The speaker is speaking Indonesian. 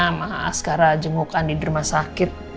sama askara jengukan di derma sakit